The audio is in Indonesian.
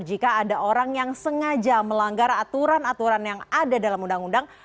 jika ada orang yang sengaja melanggar aturan aturan yang ada dalam undang undang